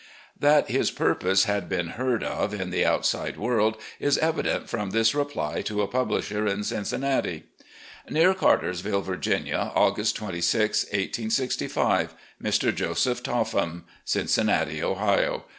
That his purpose had been heard of in the outside world is evident from this reply to a publisher in Cin cinnati : "Near Cartersville, Virginia, August 26, 1865. "Mr. Joseph Topham, "Cincinnati, Ohio.